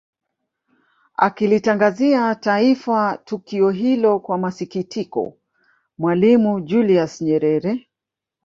Akilitangazia Taifa tukio hilo kwa masikitiko Mwalimu Julius Nyerere